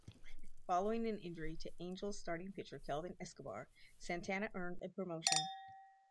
Following an injury to Angels starting pitcher Kelvim Escobar, Santana earned a promotion.